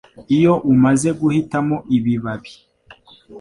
Iyo umaze guhitamo ibibabi